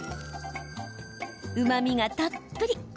うまみがたっぷり！